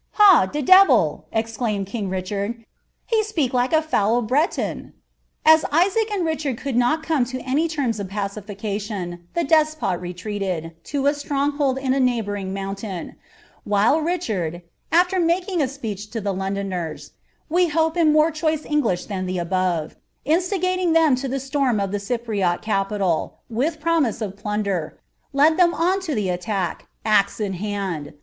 !l,i? de dehil."' exclaimed king Richard, ^he speke like a fole ■ l «ac and Richard could not come to any terms of pacification, the 'X retreated, to a stronghold in a neighbouring mountain ; while '.rJ. after making a speech to the liouduners, i^we hope in more < &)gliih than the ntiove,) instigating them lo the siorm of the j' t rsniuil, with promise of phmder, led them on to the attack, axe 'i 'iind.